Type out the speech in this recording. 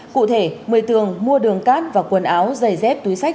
cụ thể một mươi tường mua đường cát và quần áo giày dép túi sách